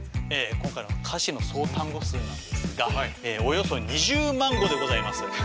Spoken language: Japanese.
今回の歌詞の総単語数なんですがおよそ２０万語でございます。